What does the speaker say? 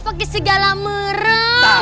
pake segala merem